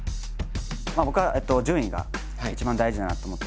僕は順位が一番大事だなと思ってて。